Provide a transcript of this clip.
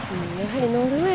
ノルウェー